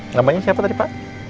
namanya siapa tadi pak